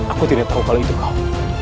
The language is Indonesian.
aku tidak tahu kalau itu kaum